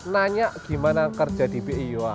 nanya gimana kerja di bia